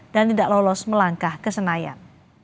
dan tidak lolos melangkah ke senayan